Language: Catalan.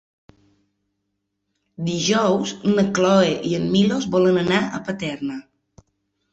Dijous na Cloè i en Milos volen anar a Paterna.